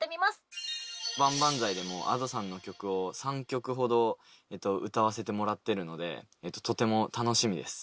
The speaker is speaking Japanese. ばんばんざいでもＡｄｏさんの曲を３曲ほど歌わせてもらってるのでとても楽しみです。